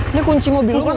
ini kunci mobil lu kan